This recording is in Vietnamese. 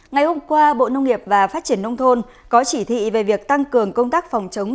ngày hôm qua bộ nông nghiệp và phát triển nông thôn có chỉ thị về việc tăng cường công tác phòng chống